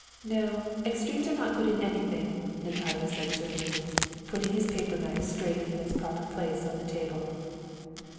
"No, extremes are not good in anything," Natalia said serenely, putting his paper knife straight in its proper place on the table.